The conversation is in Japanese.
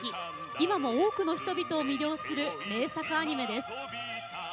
今も多くの人々を魅了する名作アニメです。